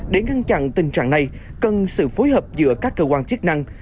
để ngăn chặn tình trạng này cần sự phối hợp giữa các cơ quan chức năng